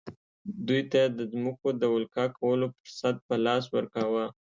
دوی ته یې د ځمکو د ولکه کولو فرصت په لاس ورکاوه.